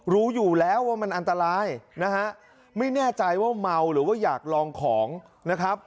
รู้อยู่แล้วว่ามันอันตรายนะฮะไม่แน่ใจว่าเมาหรือว่าอยากลองของนะครับ